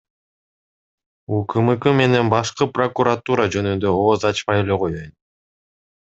УКМК менен башкы прокуратура жөнүндө ооз ачпай эле коёюн.